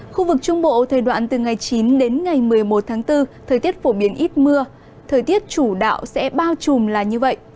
khu vực trung bộ thời đoạn từ ngày chín đến ngày một mươi một tháng bốn thời tiết phổ biến ít mưa thời tiết chủ đạo sẽ bao trùm là như vậy